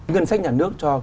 ngân sách nhà nước cho